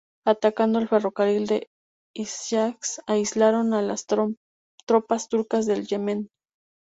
Atacando el ferrocarril del Hiyaz aislaron a las tropas turcas del Yemen.